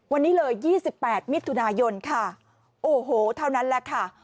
วันนี้เลย๒๘มิถุนายนค่ะโอ้โหเท่านั้นแหละค่ะ